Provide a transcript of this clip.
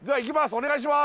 お願いします。